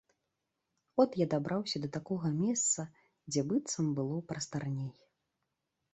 От я дабраўся да такога месца, дзе быццам было прастарней.